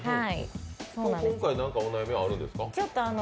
今回、何かお悩みがあるんですか？